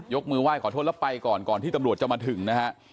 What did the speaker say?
มือไห้ขอโทษแล้วไปก่อนก่อนที่ตำรวจจะมาถึงนะฮะ